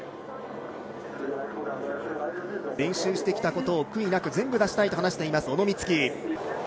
練習してきたことを悔いなく全部出したいと話していました、小野光希。